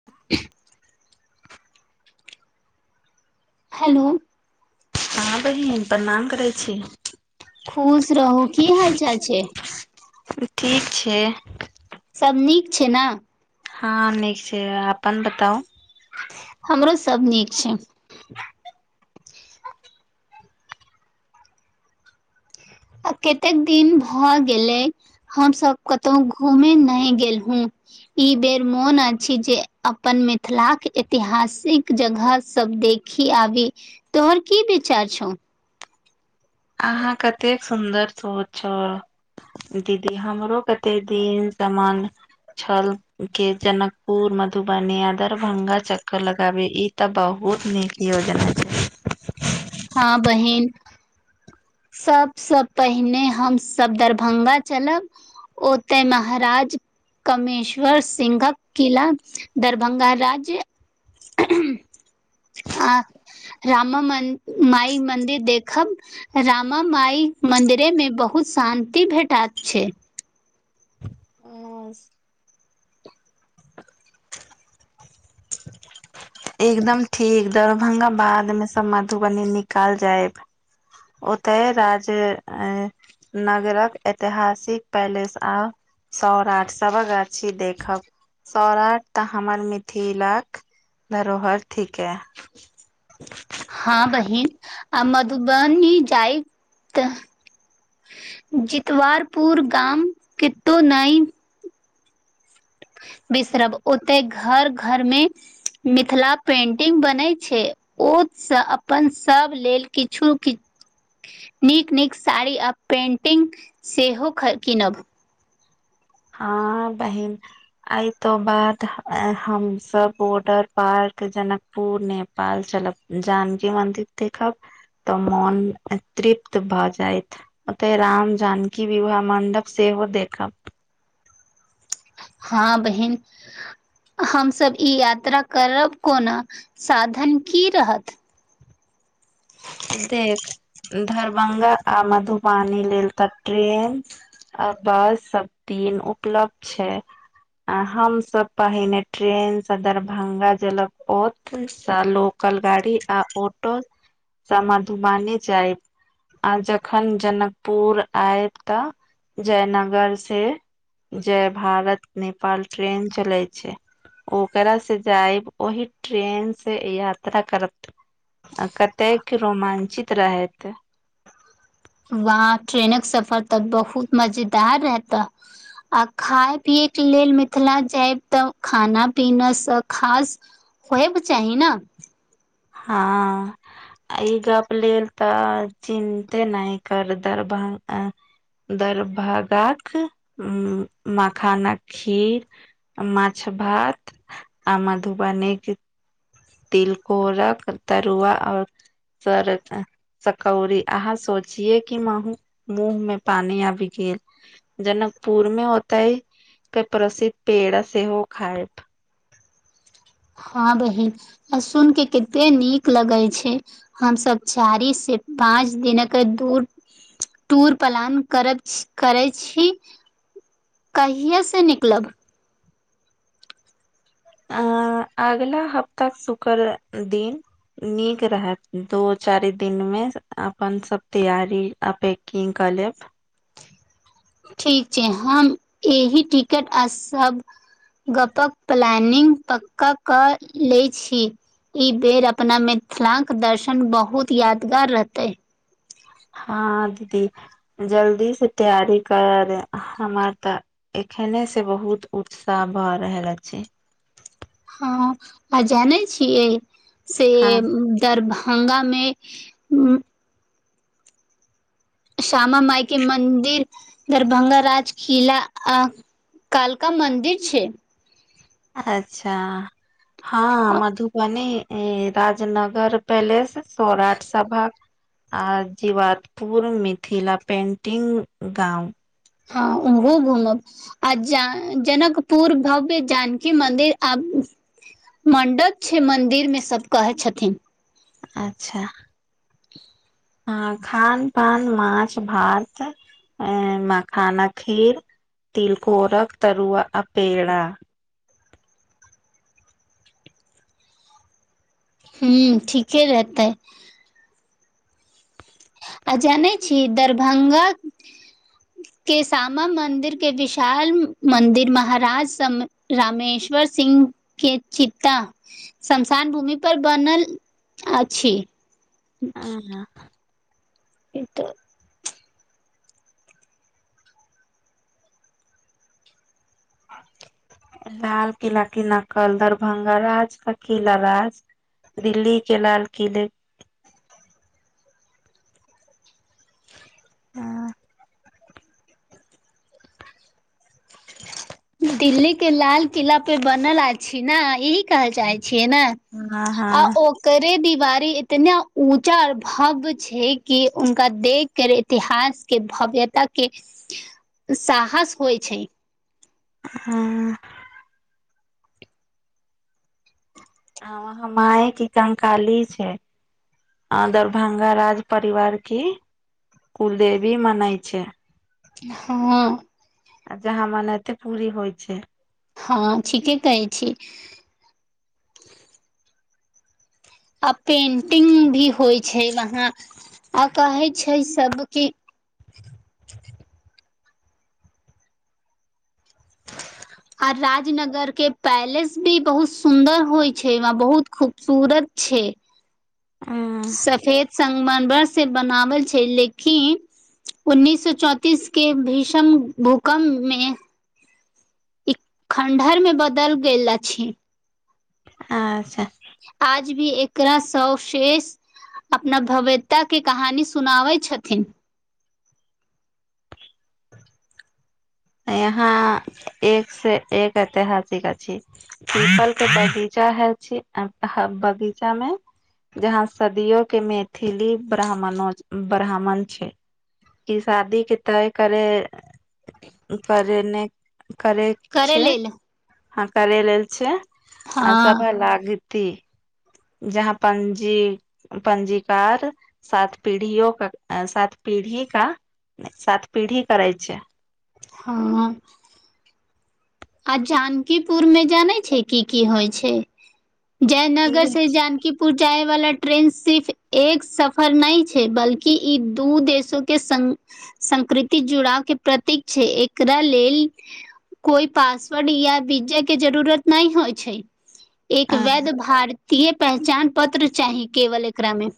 [inaudible] Hello! हँ बहिन प्रणाम करै छी। खुश रहू, की हाल चाल छै? ठीक छै। सब नीक छै न? हँ नीक छै, अपन बताउ? हमरो सभ नीक छै। आ कतेक दिन भए गेले, हमसब कतहु घूमे नहि गेलहुँ। ई बेर मोन अछि जे, अपन मिथिलाक के ऐतिहासिक जगह सब देख खि आबि, तोहर की विचार छौ? अहाँक कतेक सुन्दर सोच छल। दीदी हमरो कतेक दिन स मन छल, जे जनकपुर, मधुबनी, आ दरभंगा चक्कर लगाबी, इ तऽ बहुत नीक योजना छै। हँ बहिन! सभसँ पहिने हमसभ दरभंगा चलब। ओ तय महाराज! कमेश्वर सिंहक किला, दरभंगा राज्य। ह [inaudible] आ श्यामा माइ मन्दिर देखब। रामा माइ मन्दिरमे बहुत शान्ति भेटैत छै। हु। [inaudible] एकदम ठीक, दरभंगा के बाद, सब मधुबनी निकल जायब। ओतऽ राज नगरक, ऐतिहासिक पैलेस आ सौराठ सभागाछी देखब, सौराठ तऽ हमर मिथिलाक धरोहर थीके। हँ बहिन! आ मधुबनी जाइ त जितवारपुर गाम कतो नहि बिसरब, ओते घर- घर मे मिथिला पेंटिंग बनै छै। ओतसँ अपन सभ लेल किछु -किछ नीक- नीक साड़ी, आ पेन्टिंग सेहो कीनब। हँ बहिन! एहि के बाद, हमसब बॉर्डर पार क जनक पूर, नेपाल चलब, जानकी मन्दिर देखब। तऽ मन तृप्त भऽ जायत। ओते राम जानकी विवाह मण्डप सेहो देखब। हँ बहिन! हमसभ ई यात्रा करब कोना, साधन की रहत? देख दरभंगा आ मधुबानी लेल तऽ ट्रेन। आ बस सब दिन उपलब्ध छै। आ हमस पहिने ट्रैन से दरभंगा जनकपु लोकल गाड़ी आ ऑटो स मधुबनी जाइत। आ जखन जनकपुर आय तऽ जयनगर से जय भारत नेपाल ट्रेन चलै छै। ओकरा से जायब, ओहि ट्रेन से यात्रा करत, अकत तैक रोमाञ्चित रहैत। वहाँ ट्रेनक सफर तऽ बहुत मजेदार रहतऽ। आ खाय पियैके लेल मिथिला जायब, तऽ खाना पीनासँ खास होएब चाही न? हॉं। ई गप्प लेल तऽ चिन्ते नहि कर दरभंगा दरभगात मखानक खीर मछ भात आ मधुबनी के तिलकोरक तरुआ और सर सकौड़ी अहाँ सोचिये कि मौह-मुँह में पानी आबि गेल। जनकपुर में होतइ, कई प्रसिद्ध पेड़ सेहो खायब। हँ बहिन, आ सुइन के केते नीक लगे छै। हमसब चारी से पाँच दिनक दूर टूर पलान करब छ-करै छी। कहिये से निकलब? अ-अगला हफ्ता शुकर दिन। नीक रहत, दू चारि दिन में अपन सब तैयारी अपेक किंग क लेब। ठीक छै, हम एहि टिकट आ सब गपक प्लानिंग पक्का कऽ लै छी। इ बेर अपना मिथिलां के दर्शन बहुत यादगार रहतै। हँ दीदी जल्दी से तैयारी करऽ, हमर तऽ एखने से बहुत उत्साह भऽ रहल अछि। हँ, आ जानै छियै से हँ दरभं भंगा में श्यामा माइके मन्दिर, दरभंगा राज किला आ कालका मन्दिर छै। अच्छा हँ, मधुबनी राजनगर पैलेस सौराठ सभाग आ जीवादपुर, मिथिला पेंटिंग, गाँंव। हँ, उम्हरो घूमबऽ। आ जान्-जनकपुर, भव्य जानकी मन्दिर आ मण्डप छै मन्दिर मे, सब कहै छथिन। अच्छा। हॉं, खान-पान, माछ-भात, अ मखानक खीर तिलकोरक तरूआ अ पेड़ा। हूँम्म, ठीके रहतै। आ जानै छी दरभंगा के शामा मन्दिर के विशाल मन्दिर महाराज सम रमेश्वर सिंह के चिताऽ श्मशान भूमि पर बनल अछि। आं-हं। ई त लाल किला के नकल, दरभंगा राज का किला राज। दिल्ली के लाल किले हँ दिल्ली के लाल किला पे बनल अछि, ना इहि कह चाहे छिय न। आ हँ ओ करे दिवारी इतना ऊँचा आ भव्य छै कि उनका देख के इतिहास के भव्यता के साहस होइ छय। हं अ [unintelligible] हमाये के कंकाली छै। आ दरभंगा राज परिवार की कुलदेवी मनय छै। हं अ आ जहां मनएते पूरी होइ छय। [unintelligible] हं ठीके कहय छी। आ पेंटिंग भी होइ छै, वहां आ कहे छै सबकी आ राजनगर के पैलेस भी बहुत सुन्दर होय छैय वा बहुत खूबसूरत छै। हम्म, सफेद संगमरमर से बनाबल छै लेकिन उन्नीस सो चौंतीस के भीष्म भूकम मे खण्डहरमे बदल गेल अछि। अच्छा। आज भी एकरा शवशेष अपना भव्यता के कहानी सुनाबय छथिन। यहां एक स एक ऐतिहासिक अछि। पीपल के बगीचा हछी आ बगीचा मे जहां सदियो के मैथिली ब्राह्मणो ब्राह्मण छय। कि शादी के तय करे। करे न करे। करे लयले। हं करे लेल छय, आ हँ सभे लागती। जहां पञजी पञजीकार सात पीढ़ियो क सात पीढ़ी का सात पीढ़ी करै छय। हं अ‌। आ जानकीपुर में जानै छै, की की होइ छै। जयनगर से जानकी। पुर जायबला ट्रेन सिर्फ एक सफर नहि छै, बल्कि ई दू देशो के सं संकृति जुड़ाव के प्रतीक छै, एकरा लेल कोइ पासवर्ड या वीजा के जरूरत नहि होइ छय, एक वैध भार तीये पहचान पत्र चाही केवल एकरामे।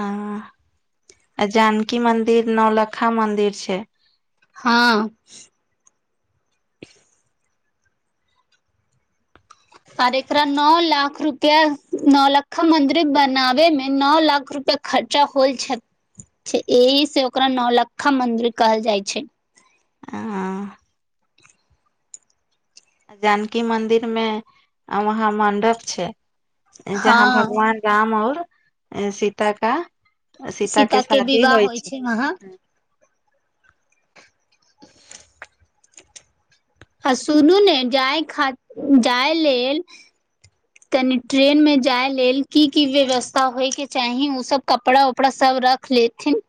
आं जानकी मंदिर नौलखा मंदिर छै। हं। आर एकरा नौ लाख रूपया, नौलखा मंदिर बनाबे मे न लाख रूपया खर्चा होल छैत छै, एहि से ओकरा नौ लकखा मंदिर कहल जाइ छै। हँ जानकी मंदिर में वहां मंडप छय जहां हां। भगवान राम और सीता का सीता के शादी होइ छै। अहां आ सुनू ने, जाय खा जाय लेल तनि ट्रेन मे जाय लेल की की व्यवस्था होइके चाही, ओ सब कपड़ा उपड़ा सब रख लेथिन।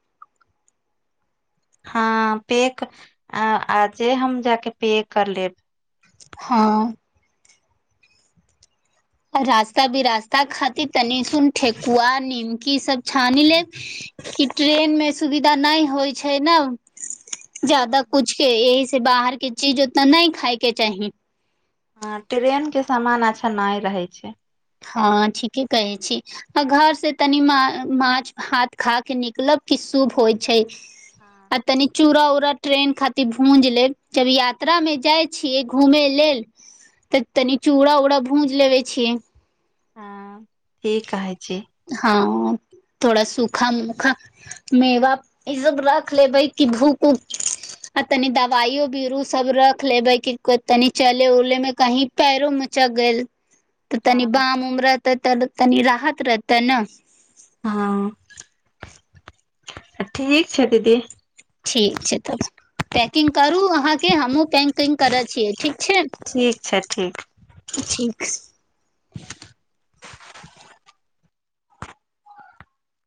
हँ पेक आजे हम जाक पेक कर लेब। हँ रास्ता बि रास्ता खातिर तनी सुन ठेकुआ नीमकी सब छानि लेब कि ट्रेन मे सुविधा नहि होइ छै ने। जादा कुछके ऐहिसे बाहरके चीज उतना नहि खाायके चाही। हं ट्रेन के सामान अच्छा नहि रहे छै। हँ ठीके कहै छी। आ घर से तनि मा माछ भात खा के निकलब कि शुभ होइ छै। आ तनी चूरा ऊरा ट्रेन खातिर भूज लेब जब यात्रा में जाय छियै घूमे लेल। तऽ तनी चूड़ा उड़ा भूज लेबे छियै। हँ, कि है छी। हँ थोड़ा सुखा मुखा मेवा इसब रख लेबै कि भूख उख आ तनि दवाइयो बीरू सब रख लेबै क तनी चले उले में कही पैरो मचक गेल तऽ तनी बाम उम रहते तऽ तनी राहत रहतै ने हँ, ठीक छै दीदी। ठीक छै, तब पैकिंग करू अहाँके हमहुँ। पैकिंग करै छियै ठीक छै, ठीक छै ठीक ठीक।